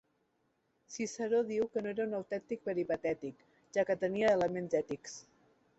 Ciceró diu que no era un autèntic peripatètic, ja que tenia elements ètics.